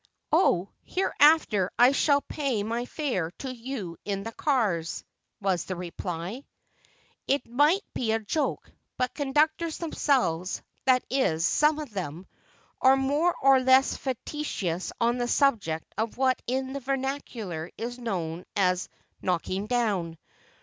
"Oh! hereafter I shall pay my fare to you in the cars," was the reply. It may be a joke, but conductors themselves, that is, some of them, are more or less facetious on the subject of what in the vernacular is known as "knocking down."